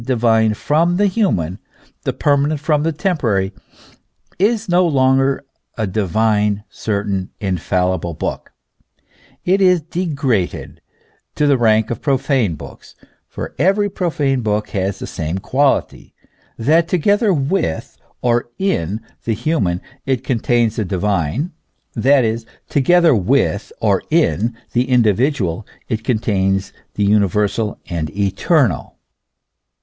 209 divine from the human, the permanent from the temporary, is no longer a divine, certain, infallible book, it is degraded to the rank of profane books ; for every profane book has the same quality, that together with or in the human it contains the divine, that is, together with or in the individual it con tains the universal and eternal.